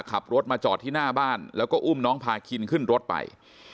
ขับรถมาจอดที่หน้าบ้านแล้วก็อุ้มน้องพาคินขึ้นรถไป